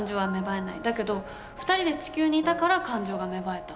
だけど２人で地球にいたから感情が芽生えた。